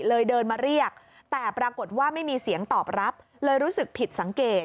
เดินมาเรียกแต่ปรากฏว่าไม่มีเสียงตอบรับเลยรู้สึกผิดสังเกต